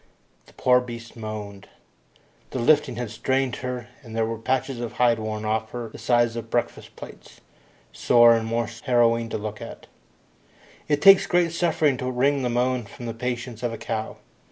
The poor beast moaned. The lifting had strained her, and there were patches of hide worn off her the size of breakfast plates, sore and most harrowing to look upon. It takes great suffering to wring a moan from the patience of a cow.